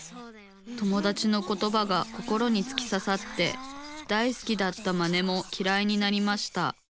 友だちのことばが心につきささって大好きだったマネもきらいになりました。